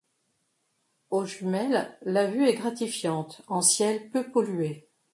Aux jumelles, la vue est gratifiante en ciel peu pollué.